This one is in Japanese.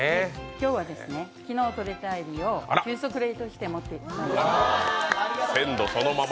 今日は昨日とれたえびを急速冷凍して持ってきたんです。